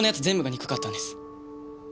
全部が憎かったんです。